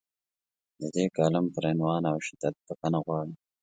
د دې کالم پر عنوان او شدت بخښنه غواړم.